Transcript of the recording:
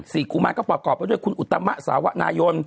กุมารก็ประกอบไปด้วยคุณอุตมะสาวนายน